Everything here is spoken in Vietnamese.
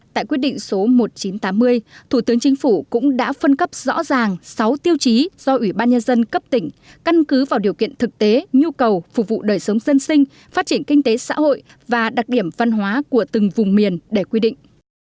tại quyết định số một nghìn chín trăm tám mươi thủ tướng chính phủ cũng đã phân cấp rõ ràng sáu tiêu chí do ủy ban nhân dân cấp tỉnh căn cứ vào điều kiện thực tế nhu cầu phục vụ đời sống dân sinh phát triển kinh tế xã hội và đặc điểm văn hóa của từng vùng miền để quy định